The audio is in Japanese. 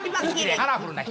カラフルな棺。